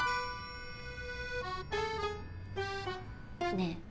ねえ。